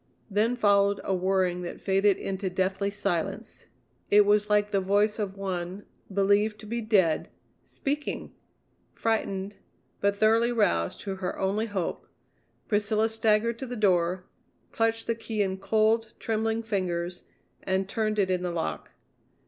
Then followed a whirring that faded into deathly silence. It was like the voice of one, believed to be dead, speaking! Frightened, but thoroughly roused to her only hope, Priscilla staggered to the door, clutched the key in cold, trembling fingers, and turned it in the lock.